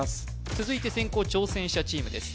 続いて先攻挑戦者チームです